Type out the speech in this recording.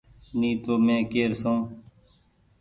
ني تو مين ڪير سئو۔